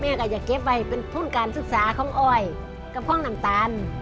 แม่ก็อยากเก็บไว้เป็นพูดการศึกษาของอ้อยกับข้องน้ำตาล